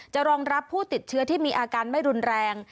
รองรับผู้ติดเชื้อที่มีอาการไม่รุนแรง